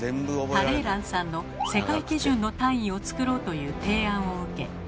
タレーランさんの世界基準の単位を作ろうという提案を受け